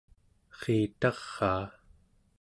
eritaraa